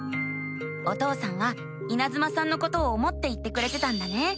お父さんはいなずまさんのことを思って言ってくれてたんだね。